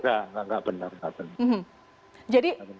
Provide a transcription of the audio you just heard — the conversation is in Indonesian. enggak enggak benar